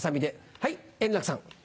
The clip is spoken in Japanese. はい円楽さん。